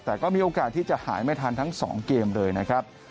แต่ก็มีโอกาสที่จะหายไม่ทันทั้ง๒เกมเลยนะครับ